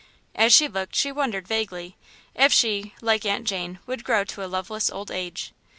As she looked, she wondered, vaguely, if she, like Aunt Jane, would grow to a loveless old age.